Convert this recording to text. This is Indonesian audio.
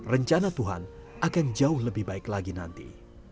rencana tuhan akan jauh lebih baik lagi nanti